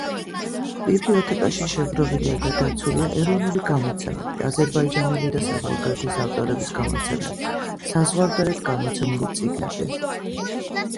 ბიბლიოთეკაში შეგროვილია და დაცულია ეროვნული გამოცემები, აზერბაიჯანელი და საზღვარგარეთის ავტორების გამოცემები, საზღვარგარეთ გამოცემული წიგნები.